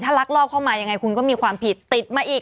ลักลอบเข้ามายังไงคุณก็มีความผิดติดมาอีก